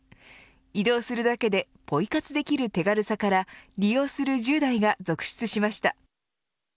移動するだけでポイ活できる手軽さから利用する１０代が続出しました。